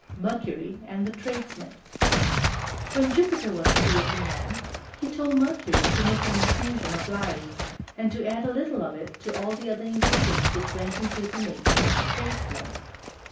MERCURY AND THE TRADESMEN When Jupiter was creating man, he told Mercury to make an infusion of lies, and to add a little of it to the other ingredients which went to the making of the Tradesmen.